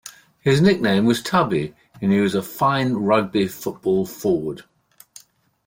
His nickname was "Tubby" and he was a fine Rugby football forward.